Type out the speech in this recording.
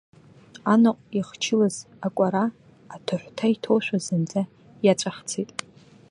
Анаҟә ихчылаз акәара, аҭыҳәҭа иҭоушәа, зынӡа иаҵәахӡеит.